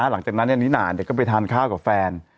หลังจากนั้นเนี่ยนี่น่าเนี่ยก็ไปทานข้าวกับแฟน